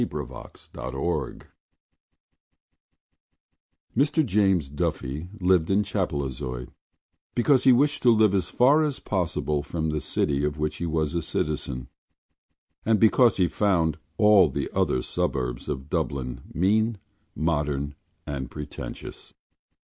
A PAINFUL CASE Mr James Duffy lived in Chapelizod because he wished to live as far as possible from the city of which he was a citizen and because he found all the other suburbs of Dublin mean, modern and pretentious.